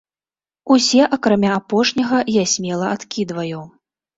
Усе акрамя апошняга я смела адкідваю.